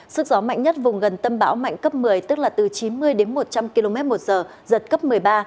sức gió mạnh nhất vùng gần tâm bão mạnh cấp một mươi tức là từ chín mươi đến một trăm linh km một giờ giật cấp một mươi ba